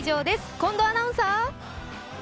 近藤アナウンサー。